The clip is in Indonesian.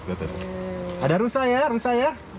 ada rusa ya rusa ya